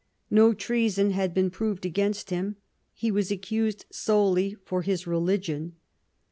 No treason had been proved against him ; he was accused solely for his religion.